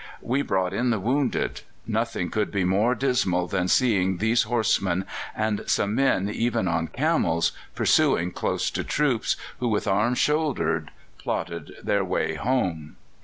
We brought in the wounded. Nothing could be more dismal than seeing these horsemen, and some men even on camels, pursuing close to troops, who with arms shouldered plodded their way back."